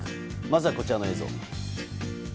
まずは、こちらの映像。